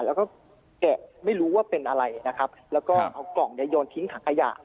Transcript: แล้วก็แกะไม่รู้ว่าเป็นอะไรนะครับแล้วก็เอากล่องเนี่ยโยนทิ้งถังขยะ